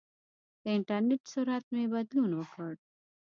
د انټرنېټ سرعت مې بدلون وکړ.